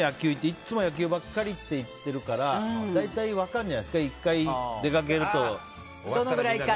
いつも野球ばっかりって言ってるから大体分かるんじゃないですか１回出かけるとどのくらいか。